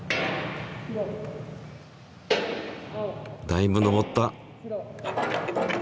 だいぶ登った。